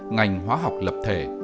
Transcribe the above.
ngành hóa học lập thể